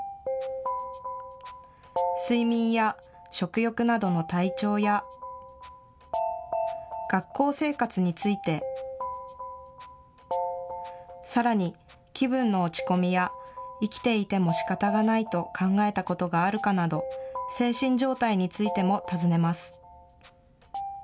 睡眠や食欲などの体調や、学校生活について、さらに気分の落ち込みや、生きていてもしかたがないと考えたことがあるかなど、精神状態についても尋ねます。